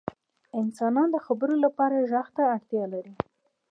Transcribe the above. • انسانان د خبرو لپاره ږغ ته اړتیا لري.